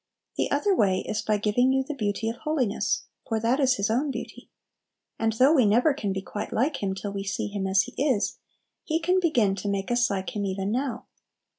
The other way is by giving you the beauty of holiness, for that is His own beauty; and though we never can be quite like Him till we see Him as He is, He can begin to make us like Him even now.